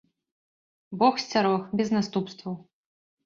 Бог сцярог, без наступстваў.